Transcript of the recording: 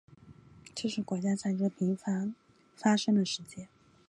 这是国家战争频繁发生的世界。